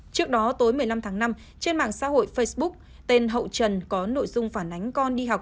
trước đó tối một mươi năm tháng năm trên mạng xã hội facebook tên hậu trần có nội dung phản ánh con đi học